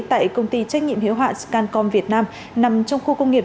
tại công ty trách nhiệm hiệu hạn scancom việt nam nằm trong khu công nghiệp